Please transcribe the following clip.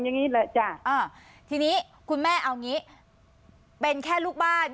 อย่างนี้แหละจ้ะอ่าทีนี้คุณแม่เอางี้เป็นแค่ลูกบ้าน